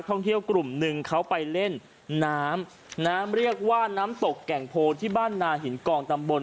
ท่องเที่ยวกลุ่มหนึ่งเขาไปเล่นน้ำเรียกว่าน้ำตกแก่งโพที่บ้านนาหินกองตำบล